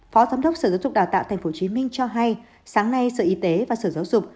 phó giám đốc sở giáo dục đào tạo tp hcm cho hay sáng nay sở y tế và sở giáo dục